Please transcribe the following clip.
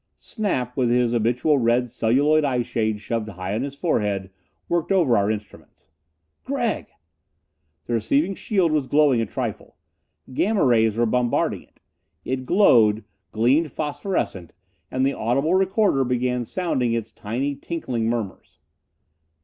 Snap, with his habitual red celluloid eyeshade shoved high on his forehead, worked over our instruments. "Gregg!" The receiving shield was glowing a trifle! Gamma rays were bombarding it! It glowed, gleamed phosphorescent, and the audible recorder began sounding its tiny tinkling murmurs.